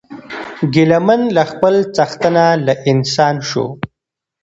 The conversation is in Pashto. ګیله من له خپل څښتنه له انسان سو